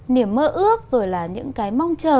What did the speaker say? niềm mơ ước rồi là những cái mong chờ